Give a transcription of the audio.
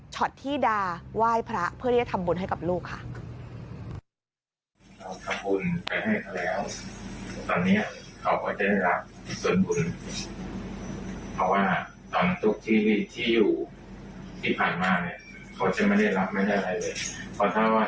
ที่ดาไหว้พระเพื่อที่จะทำบุญให้กับลูกค่ะ